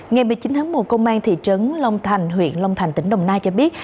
ngày một mươi chín tháng một công an thị trấn long thành huyện long thành tỉnh đồng nai cho biết